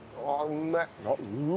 うめえ！